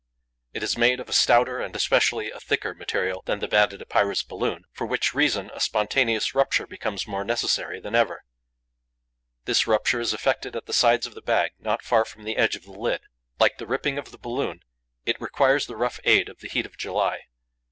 It is made of a stouter and especially a thicker material than the Banded Epeira's balloon, for which reason a spontaneous rupture becomes more necessary than ever. This rupture is effected at the sides of the bag, not far from the edge of the lid. Like the ripping of the balloon, it requires the rough aid of the heat of July.